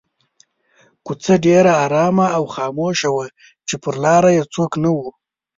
کوڅه ډېره آرامه او خاموشه وه چې پر لاره یې څوک نه وو.